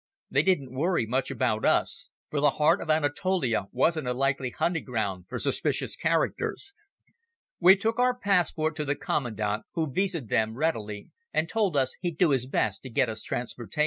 They didn't worry much about us, for the heart of Anatolia wasn't a likely hunting ground for suspicious characters. We took our passport to the commandant, who visaed them readily, and told us he'd do his best to get us transport.